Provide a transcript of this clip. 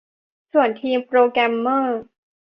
ส่วนทีมโปรแกรมเมอร์